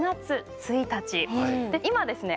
今ですね